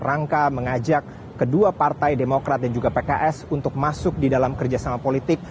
rangka mengajak kedua partai demokrat dan juga pks untuk masuk di dalam kerjasama politik